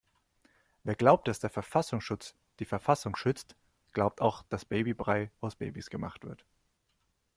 Wer glaubt, dass der Verfassungsschutz die Verfassung schützt, glaubt auch dass Babybrei aus Babys gemacht wird.